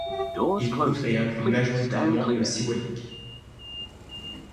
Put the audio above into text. Il couvre et inclut majoritairement le Siwalik.